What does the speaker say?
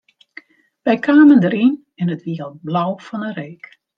Wy kamen deryn en it wie al blau fan 'e reek.